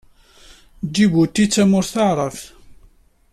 Ǧibuti d tamurt taɛṛabt.